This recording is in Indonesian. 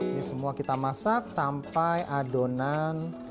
ini semua kita masak sampai adonan